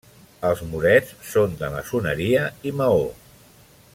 Els murets són de maçoneria i maó.